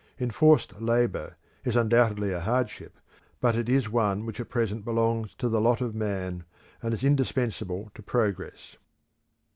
Enforced labour is undoubtedly a hardship, but it is one which at present belongs to the lot of man, and is indispensable to progress.